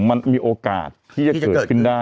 มันมีโอกาสที่จะเกิดขึ้นได้